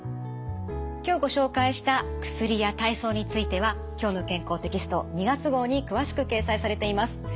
今日ご紹介した薬や体操については「きょうの健康」テキスト２月号に詳しく掲載されています。